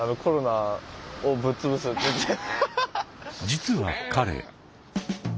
実は彼。